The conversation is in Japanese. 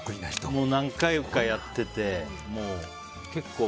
何回かやってて、結構。